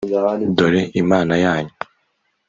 «Dore Imana yanyu!»